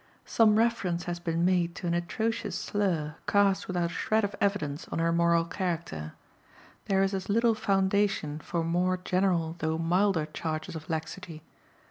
Some reference has been made to an atrocious slur cast without a shred of evidence on her moral character. There is as little foundation for more general though milder charges of laxity.